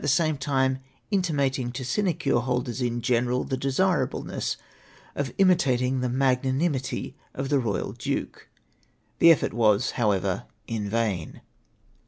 247 same time intimating; to sinecure holders in general the desii'ableness of imitating the magnanimity of tlie royal duke. The effort was, however, in vain.